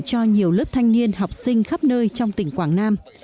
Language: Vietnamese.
cho nhiều lớp thanh niên học sinh khắp nơi trong tỉnh quảng nam